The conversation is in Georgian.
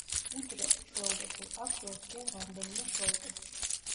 უჯრედს, ჩვეულებრივ, აქვს ერთი ან რამდენიმე შოლტი.